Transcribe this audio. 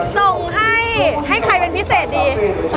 ส่งให้ให้ใครเป็นพิเศษดี